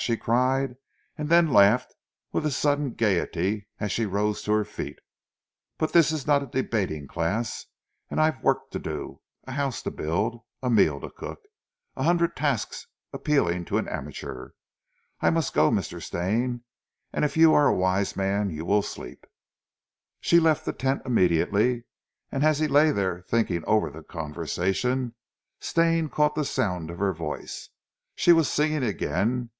she cried, and then laughed with sudden gaiety as she rose to her feet. "But this is not a debating class, and I've work to do a house to build, a meal to cook a hundred tasks appealing to an amateur. I must go, Mr. Stane, and if you are a wise man you will sleep." She left the tent immediately, and as he lay there thinking over the conversation, Stane caught the sound of her voice. She was singing again.